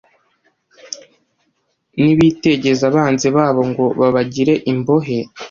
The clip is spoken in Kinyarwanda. nibitegeza abanzi babo ngo babagire imbohe,